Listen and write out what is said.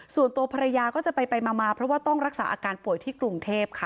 ส่วนตัวภรรยาก็จะไปมาเพราะว่าต้องรักษาอาการป่วยที่กรุงเทพค่ะ